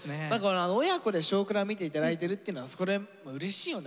親子で「少クラ」見て頂いてるっていうのはうれしいよね